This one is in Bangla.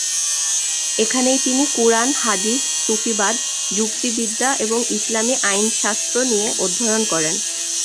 এখানেই তিনি "কুরআন", হাদিস, সুফিবাদ, যুক্তিবিদ্যা এবং ইসলামি আইনশাস্ত্র নিয়ে অধ্যয়ন করেন।